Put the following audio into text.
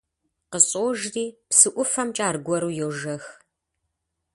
КъыщӀожри, псы ӀуфэмкӀэ аргуэру йожэх.